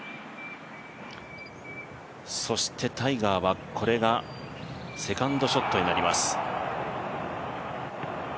そしてタイガーはこれがセカンドショットになります。